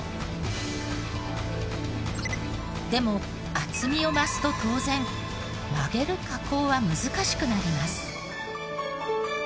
でも厚みを増すと当然曲げる加工は難しくなります。